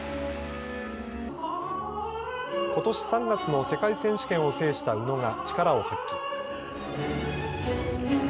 ことし３月の世界選手権を制した宇野が力を発揮。